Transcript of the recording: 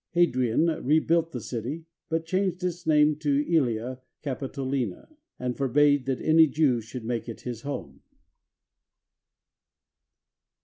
Hadrian re built the city, but changed its name to ^Elia Capitolina, and forbade that any Jew should make it his home.